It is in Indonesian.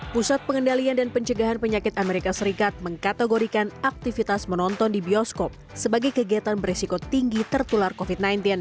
pusat pengendalian dan pencegahan penyakit amerika serikat mengkategorikan aktivitas menonton di bioskop sebagai kegiatan beresiko tinggi tertular covid sembilan belas